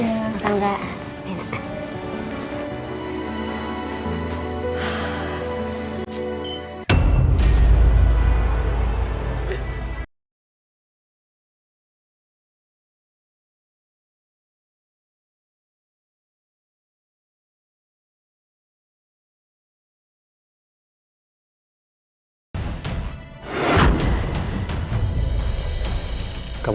masa enggak enak